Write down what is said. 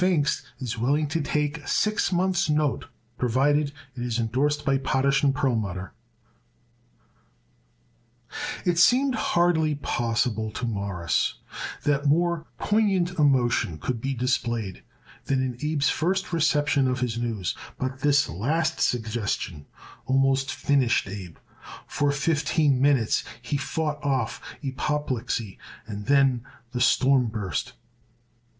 "Pfingst is willing to take a six months' note provided it is indorsed by Potash & Perlmutter." It seemed hardly possible to Morris that more poignant emotion could be displayed than in Abe's first reception of his news, but this last suggestion almost finished Abe. For fifteen minutes he fought off apoplexy and then the storm burst.